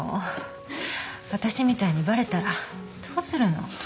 私みたいにバレたらどうするの？